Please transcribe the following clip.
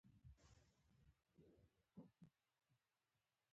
جګړه خلک له وطنه تښتي